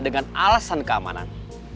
dengan alasan keamanan